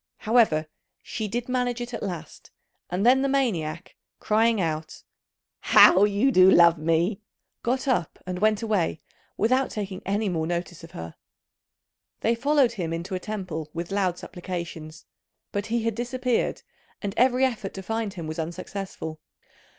However, she did manage it at last, and then the maniac crying out, "How you do love me!" got up and went away without taking any more notice of her. They followed him into a temple with loud supplications, but he had disappeared, and every effort to find him was unsuccessful.